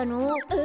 え？